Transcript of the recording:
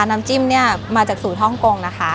น้ำจิ้มเนี่ยมาจากสูตรฮ่องกงนะคะ